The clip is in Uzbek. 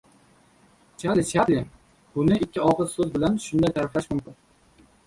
Charli Chaplin: Buni ikki og‘iz so‘z bilan shunday ta’riflash mumkin: